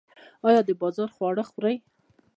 ایا د بازار خواړه خورئ؟